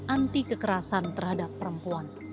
anti kekerasan terhadap perempuan